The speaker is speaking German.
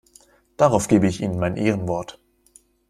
Darauf gebe ich Ihnen mein Ehrenwort!